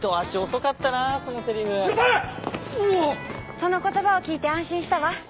その言葉を聞いて安心したわ。